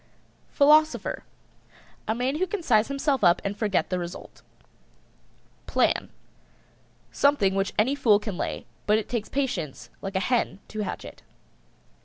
PHILOSOPHER. A man who can size himself up and forget the result. PLAN. Something which any fool can lay, but it takes patience like a hen to hatch it.